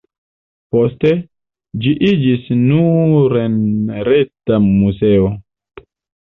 Poste, ĝi iĝis nur-enreta muzeo.